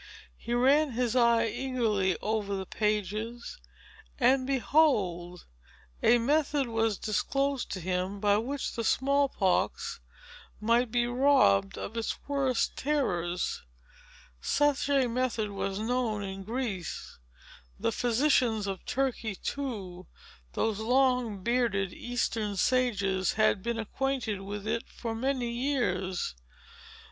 He ran his eye eagerly over the pages; and, behold! a method was disclosed to him, by which the small pox might be robbed of its worst terrors. Such a method was known in Greece. The physicians of Turkey, too, those long bearded Eastern sages, had been acquainted with it for many years.